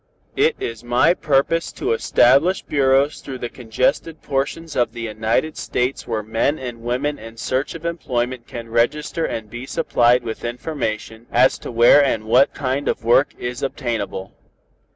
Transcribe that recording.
"It is my purpose to establish bureaus through the congested portions of the United States where men and women in search of employment can register and be supplied with information as to where and what kind of work is obtainable.